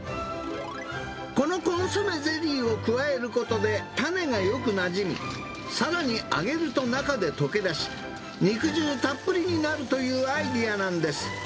このコンソメゼリーを加えることで、種がよくなじみ、さらに揚げると中で溶け出し、肉汁たっぷりになるというアイデアなんです。